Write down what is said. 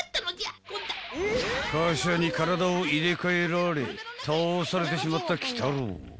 ［火車に体を入れ替えられ倒されてしまった鬼太郎］